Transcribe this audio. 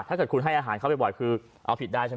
ถ้าเกิดคุณให้อาหารเขาบ่อยคือเอาผิดได้ใช่ไหม